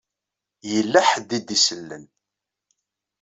Yella ḥedd i d-isellen.